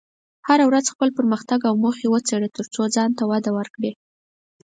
هره ورځ خپل پرمختګ او موخې وڅېړه، ترڅو ځان ته وده ورکړې.